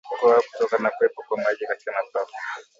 Kukohoa kutokana na kuwepo kwa maji katika mapafu